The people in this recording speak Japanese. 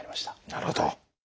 なるほど。